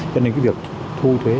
cho nên cái việc thu thuế